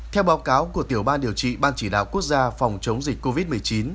theo báo cáo của tiểu ban điều trị ban chỉ đạo quốc gia phòng chống dịch covid một mươi chín